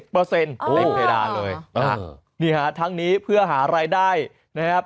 เต็มเพดานเลยนะฮะนี่ฮะทั้งนี้เพื่อหารายได้นะครับ